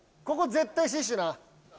ここ絶対死守な。